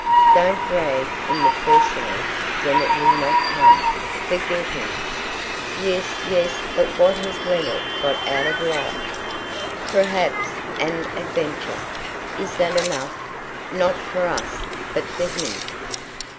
Don't drag in the personal when it will not come. Forget him." "Yes, yes, but what has Leonard got out of life?" "Perhaps an adventure." "Is that enough?" "Not for us. But for him."